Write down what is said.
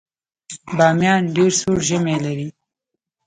بامیان ډیر سوړ ژمی لري